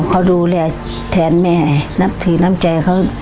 เขาดูแลแทนแม่นับถือน้ำใจเขา